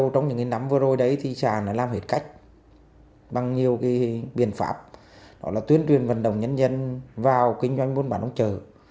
trong những năm vừa rồi thị tràng đã làm hết cách bằng nhiều biện pháp tuyên truyền vận động nhân dân vào kinh doanh bốn bản trong chợ